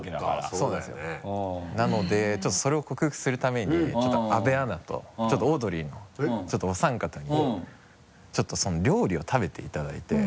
そうなんですよなのでちょっとそれを克服するために阿部アナとオードリーのお三方にちょっとその料理を食べていただいて。